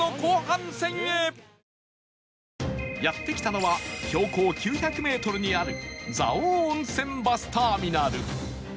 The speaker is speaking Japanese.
やって来たのは標高９００メートルにある蔵王温泉バスターミナル